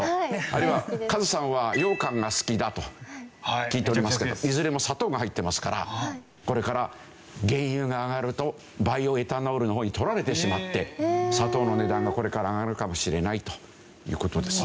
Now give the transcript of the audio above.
あるいはカズさんはようかんが好きだと聞いておりますけどいずれも砂糖が入ってますからこれから原油が上がるとバイオエタノールの方に取られてしまって砂糖の値段がこれから上がるかもしれないという事です。